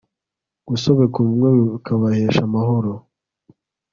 gusobeka ubumwe bikabahesha amahoro